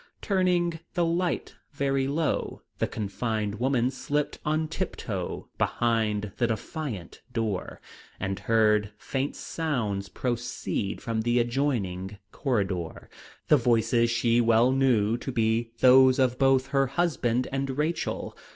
Turning the light very low, the confined woman slipped on tip toe behind the defiant door, and heard faint sounds proceed from the adjoining corridor, the voices she well knew to be those of both her husband and Rachel.